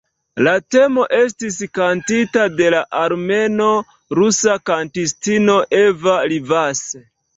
La temo estis kantita de la armeno-rusa kantistino Eva Rivas.